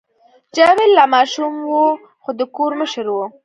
جاوید لا ماشوم و خو د کور مشر و